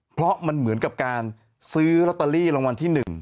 เพราะมันเหมือนกับการซื้อลอตเตอรี่รางวัลที่๑